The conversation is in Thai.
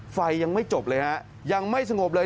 ยังไม่จบเลยฮะยังไม่สงบเลย